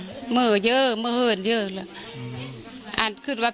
ปกติพี่สาวเราเนี่ยครับเป็นคนเชี่ยวชาญในเส้นทางป่าทางนี้อยู่แล้วหรือเปล่าครับ